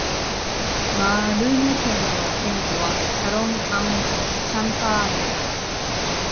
マルヌ県の県都はシャロン＝アン＝シャンパーニュである